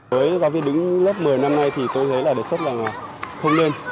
với giáo viên đứng lớp một mươi năm nay thì tôi thấy là đề xuất rằng là không nên